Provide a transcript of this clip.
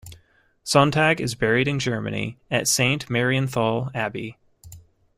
Sonntag is buried in Germany at Saint Marienthal Abbey.